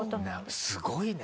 すごいね。